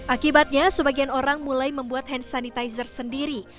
akibatnya sebagian orang mulai membuat hand sanitizer sendiri